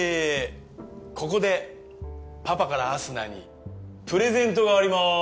ここでパパから明日菜にプレゼントがあります！